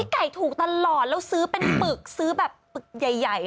ไก่ถูกตลอดแล้วซื้อเป็นปึกซื้อแบบปึกใหญ่